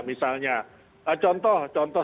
misalnya contoh contoh